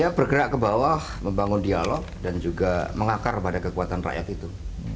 ya bergerak ke bawah membangun dialog dan juga mengakar pada kekuatan rakyat itu